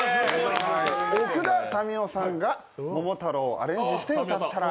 奥田民生さんが「桃太郎」をアレンジして歌ったら。